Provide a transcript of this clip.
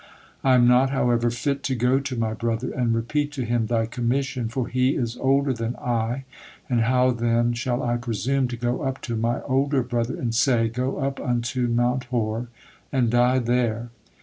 I am not, however, fit to go to my brother, and repeat to him Thy commission, for he is older than I, and how then shall I presume to go up to my older brother and say, 'Go up unto Mount Hor and die there!'"